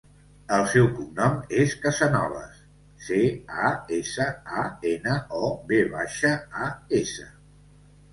El seu cognom és Casanovas: ce, a, essa, a, ena, o, ve baixa, a, essa.